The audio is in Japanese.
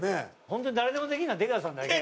本当に誰でもできるのは出川さんだけ。